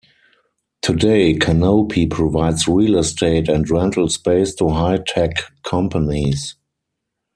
Today, Canopy provides real estate and rental space to high tech companies.